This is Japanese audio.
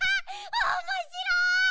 おもしろい。